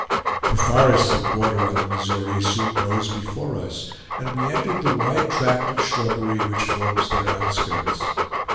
The forests that border on the Missouri soon rose before us, and we entered the wide tract of shrubbery which forms their outskirts.